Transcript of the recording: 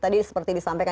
tadi seperti disampaikan